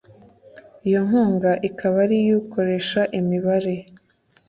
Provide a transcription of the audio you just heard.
Iyo nkunga ikaba ari iyu ukoresha imibare